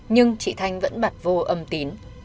nhưng chị thanh vẫn bật vô âm tín